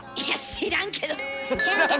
「知らんけど」。